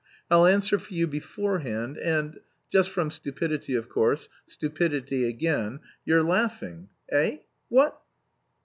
I'll answer for you beforehand, and just from stupidity, of course; stupidity again.... You're laughing? Eh? What?"